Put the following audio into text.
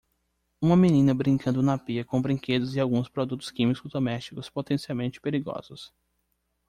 Uma menina brincando na pia com brinquedos e alguns produtos químicos domésticos potencialmente perigosos